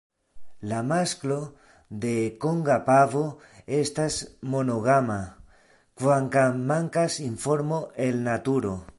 La masklo de Konga pavo estas monogama, kvankam mankas informo el naturo.